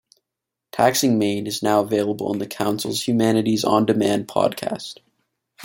"Taxing Maine" is now available on the Council's Humanities on Demand podcast.